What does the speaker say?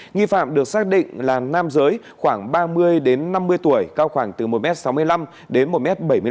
nghi phạm được xác định là nam giới khoảng ba mươi năm mươi tuổi cao khoảng từ một m sáu mươi năm một m bảy mươi năm